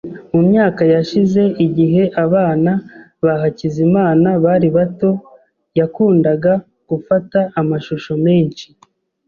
Mu myaka yashize, igihe abana ba Hakizimana bari bato, yakundaga gufata amashusho menshi.